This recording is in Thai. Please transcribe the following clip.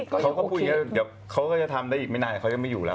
เขาพูดอย่างเงียบเขาก็จะทำได้อีกไม่นานเขายังไม่อยู่แล้ว